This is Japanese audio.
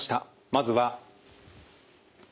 まずは。